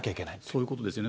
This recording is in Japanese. そういうことですよね。